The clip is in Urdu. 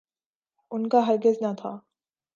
ان کا ہرگز نہ تھا۔